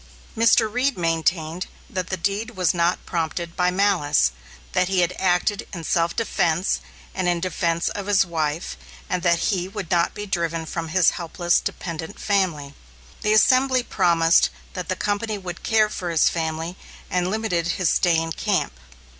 Mr. Reed maintained that the deed was not prompted by malice, that he had acted in self defence and in defence of his wife; and that he would not be driven from his helpless, dependent family. The assembly promised that the company would care for his family, and limited his stay in camp.